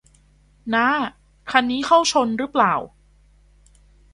น้า คันนี้เข้าช่นหรือเปล่า